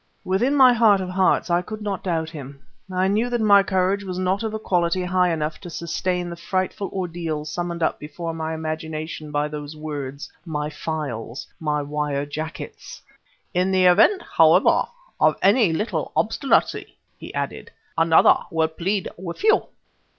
Within my heart of hearts I could not doubt him; I knew that my courage was not of a quality high enough to sustain the frightful ordeals summoned up before my imagination by those words "my files, my wire jackets!" "In the event, however, of any little obstinancy," he added, "another will plead with you."